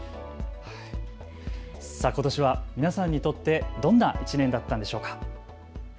ことしは皆さんにとってどんな１年だったんでしょうか。